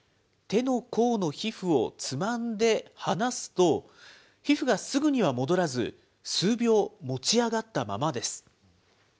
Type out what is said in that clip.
手の甲の皮膚をつまんで離すと、皮膚がすぐには戻らず、数秒、持ち上がったままです。